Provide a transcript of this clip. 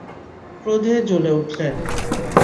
ক্রোধে জ্বলে উঠলেন।